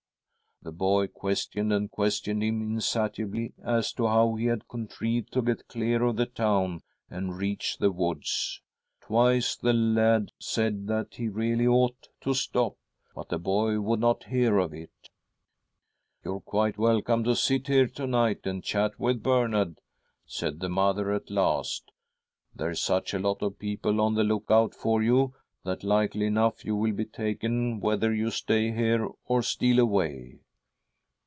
The boy questioned and questioned him insatiably as to how he had contrived to get clear of the town and reach the woods. Twice the lad said that he really ought to stop, but the boy would not hear of it. ' You are quite welcome to sit here to night and chat with Bernard,' said the mother at last. ' There's such a lot of people on the look out ior you that, likely enough, you will be taken whether you stay here or steal away.'